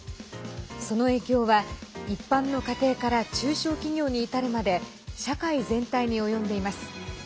その影響は一般の家庭から中小企業に至るまで社会全体に及んでいます。